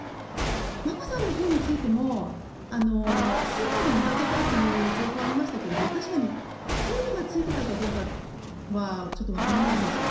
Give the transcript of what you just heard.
眞子さんのほうについてもスーパーで見かけたという情報はありましたけど確かに警備がついていたかどうかはちょっとわからないです。